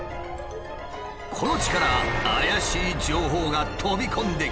この地から怪しい情報が飛び込んできた。